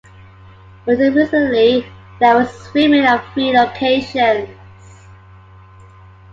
Until recently, there was swimming at three locations.